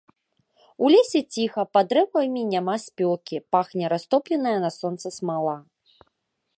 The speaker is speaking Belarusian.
У лесе ціха, пад дрэвамі няма спёкі, пахне растопленая на сонцы смала.